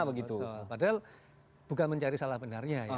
padahal bukan mencari salah benarnya ya